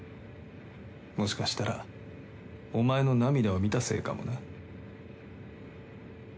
もしかしたらお前の涙を見たせいかもな。